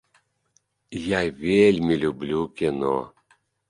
Я вельмі люблю кіно.